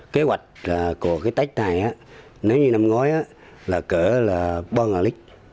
kế hoạch của cái tết này nếu như năm ngói là cỡ là ba lít